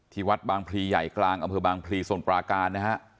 วัดบางพลีใหญ่กลางอำเภอบางพลีส่วนปราการนะฮะ